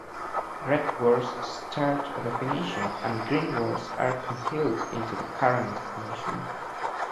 Red words start a definition and green words are compiled into the current definition.